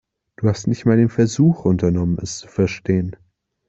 Du hast nicht mal den Versuch unternommen, es zu verstehen.